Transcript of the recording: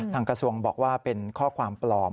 กระทรวงบอกว่าเป็นข้อความปลอม